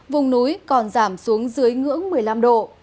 vùng núi còn giảm xuống dưới ngưỡng một mươi năm độ